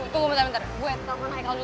tunggu bentar bentar gue telfon haikal dulu deh